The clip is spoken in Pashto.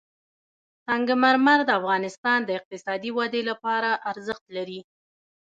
سنگ مرمر د افغانستان د اقتصادي ودې لپاره ارزښت لري.